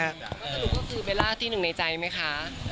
สรุปก็คือเวลาที่หนึ่งในใจไหมคะ